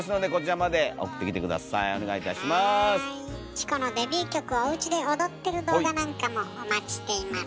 チコのデビュー曲をおうちで踊ってる動画なんかもお待ちしています。